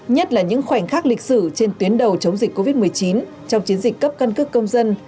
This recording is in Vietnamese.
nhất là những khoảnh khắc lịch sử trên tuyến đầu chống dịch covid một mươi chín trong chiến dịch cấp căn cước công dân